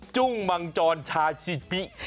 จุ้งมังจรชาชิปิ